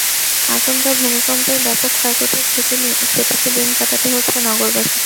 আচমকা ভূমিকম্পের ব্যাপক ক্ষয়ক্ষতির ঝুঁকি নিয়ে প্রতিটি দিন কাটাতে হচ্ছে নগরবাসীকে।